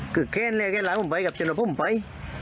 คือแค่นแล้วกันหลากผมไปกับเจ้าหน่อยผมไป